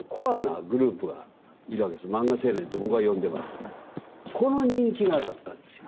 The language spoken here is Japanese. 漫画青年と僕は呼んでますけどこの人気がだったんですよ。